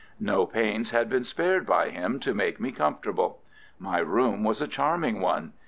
No pains had been spared by him to make me comfortable. My room was a charming one.